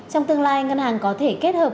trong tương lai ngân hàng có thể kết hợp